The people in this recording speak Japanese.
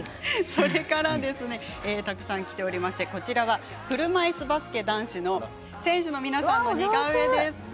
それからたくさんきておりまして車いすバスケ男子の選手の皆さんの似顔絵ですね。